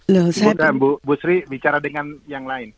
semoga bu sri bicara dengan yang lain